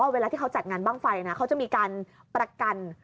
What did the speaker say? เวลาที่เขาจัดงานบ้างไฟนะเขาจะมีการประกัน